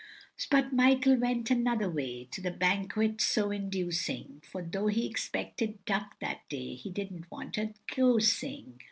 But Michael went another way To the banquet so inducing, For though he expected duck that day, He didn't want a gaosing.